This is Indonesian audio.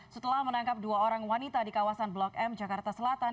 setelah menangkap dua orang wanita di kawasan blok m jakarta selatan